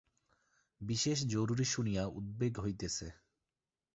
বিশেষ জরুরি শুনিয়া উদ্বেগ হইতেছে।